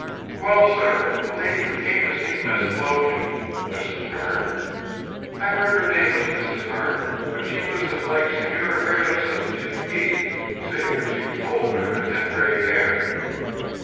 "Well, sir, the lady who came to see Miss Loach " "Mrs. Herne?" "I heard her name was Mrs. Herne, but she was as like Senora Gredos as two peas, save that she was older and had gray hair."